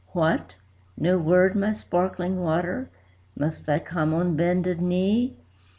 "What! no word, my Sparkling Water? must I come on bended knee?